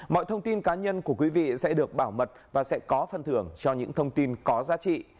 mọi thông tin cá nhân của quý vị sẽ được bảo mật và sẽ có phân thưởng cho những thông tin có giá trị